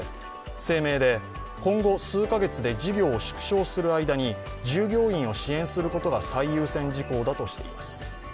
声明で、今後数カ月で事業を縮小する間に従業員を支援することが最優先事項だとしています。